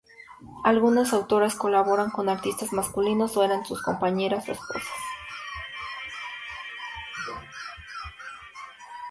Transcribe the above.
Algunas autoras colaboraron con artistas masculinos, o eran sus compañeras o esposas.